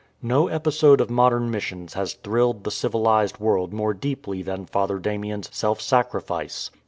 No episode of modern missions has thrilled the civilized world more deeply than Father Damien"'s self sacrifice.